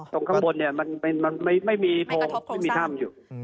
ตรงข้างบนเนี่ยมันไม่มีโพรงไม่มีถ้ำอยู่